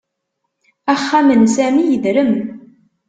Axxam n Sami yedrem